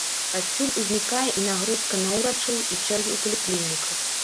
Адсюль узнікае і нагрузка на ўрачоў, і чэргі ў паліклініках.